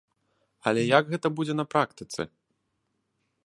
Але як гэта будзе на практыцы?